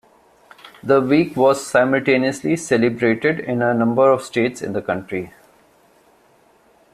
The week was simultaneously celebrated in a number of states in the country.